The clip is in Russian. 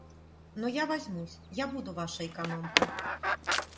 Но я возьмусь, я буду ваша экономка.